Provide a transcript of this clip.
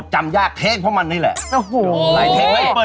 หัวใจผมไม่มีแหม่มมีแต่คนอื่น